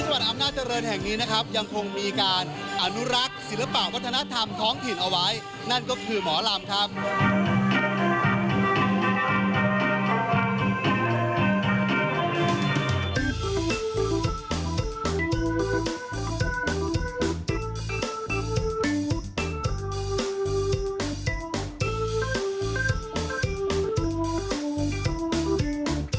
โปรดติดตามตอนต่อไป